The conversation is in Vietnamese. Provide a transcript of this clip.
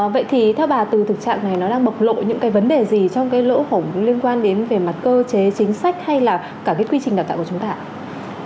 vậy thì theo bà từ thực trạng này nó đang bộc lộ những cái vấn đề gì trong cái lỗ hổng liên quan đến về mặt cơ chế chính sách hay là cả cái quy trình đào tạo của chúng ta ạ